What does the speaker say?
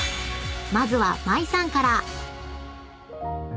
まずは麻衣さんから］